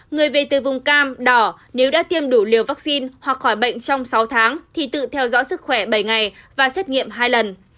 người về từ vùng cam đỏ nếu đã tiêm đủ liều vaccine hoặc khỏi bệnh trong sáu tháng thì tự theo dõi sức khỏe bảy ngày và xét nghiệm hai lần